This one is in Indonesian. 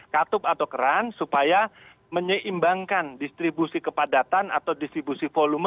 katup atau keran supaya menyeimbangkan distribusi kepadatan atau distribusi volume